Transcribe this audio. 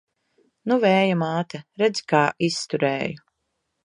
Nu, Vēja māte, redzi, kā izturēju!